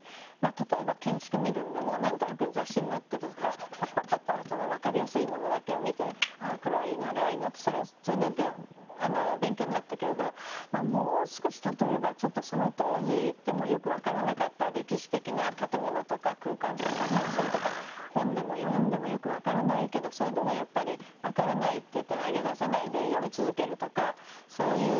例えば建築見るんでも何となく雑誌に載ってたとかパッパッパッパッ分かりやすいものだけを見てこれはいいなあれはいいなってそれはそれで勉強になったけれどもう少し例えばちょっとその当時行ってもよく分からなかった歴史的な建物とか空間とかねそれとか本でも読んでもよく分からないけどそれでもやっぱり分からないっていって投げ出さないで読み続けるとかそういう